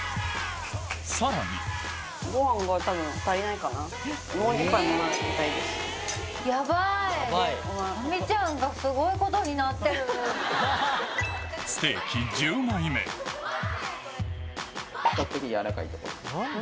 さらにステーキ１０枚目比較的軟らかいところです。